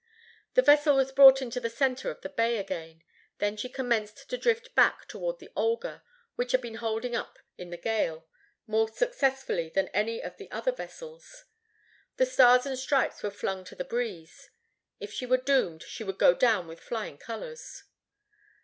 The vessel was brought into the center of the bay again. Then she commenced to drift back toward the Olga, which had been holding up in the gale more successfully than any of the other vessels. The stars and stripes were flung to the breeze. If she were doomed, she would go down with flying colors.